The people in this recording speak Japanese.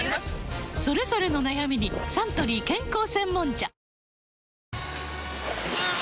それぞれの悩みにサントリー健康専門茶あ゛ーーー！